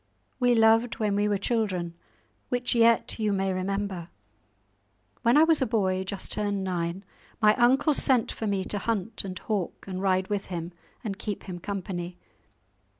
We loved when we were children, which yet you may remember. When I was a boy just turned nine, my uncle sent for me to hunt, and hawk, and ride with him, and keep him company.